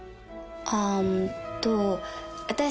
ああっと私